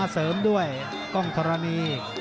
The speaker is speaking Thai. เสริมด้วยกล้องธรณี